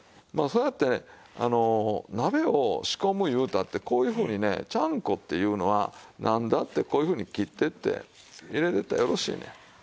まあそうやってあの鍋を仕込むいうたってこういうふうにねちゃんこっていうのはなんだってこういうふうに切っていって入れていったらよろしいねん。